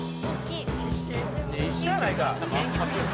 「いや一緒やないか」